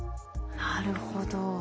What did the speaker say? なるほど。